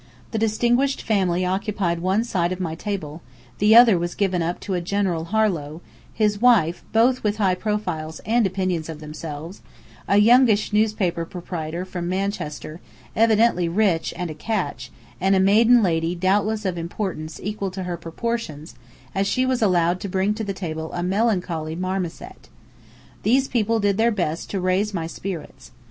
The distinguished family occupied one side of my table: the other was given up to a General Harlow, his wife (both with high profiles and opinions of themselves), a youngish newspaper proprietor from Manchester, evidently rich and a "catch," and a maiden lady doubtless of importance equal to her proportions, as she was allowed to bring to the table a melancholy marmoset. These people did their best to raise my spirits.